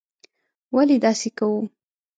ولې داسې کوو.